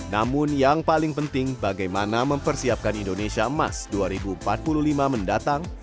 namun yang paling penting bagaimana mempersiapkan indonesia emas dua ribu empat puluh lima mendatang